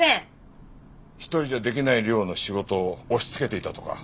一人じゃできない量の仕事を押しつけていたとか。